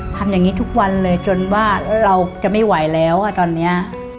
ทำอย่างนี้ทุกวันเลยจนว่าเราจะไม่ไหวแล้วอ่ะตอนนี้